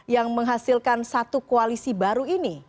yang menghasilkan satu koalisi baru ini